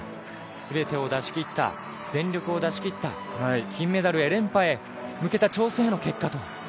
全てを出し切った全力を出し切った金メダルへ、連覇へ向けた挑戦への結果と。